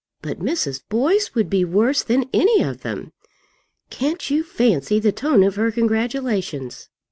But Mrs. Boyce would be worse than any of them. Can't you fancy the tone of her congratulations?"